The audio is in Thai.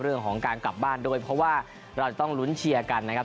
เรื่องของการกลับบ้านด้วยเพราะว่าเราจะต้องลุ้นเชียร์กันนะครับ